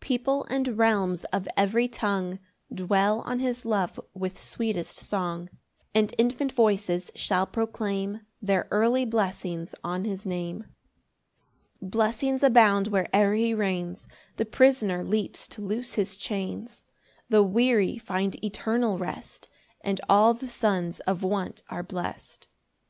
5 People and realms of every tongue Dwell on his love with sweetest song: And infant voices shall proclaim Their early blessings on his Name. 6 Blessings abound where'er he reigns, The prisoner leaps to lose his chains, The weary find eternal rest, And all the sons of want are blest.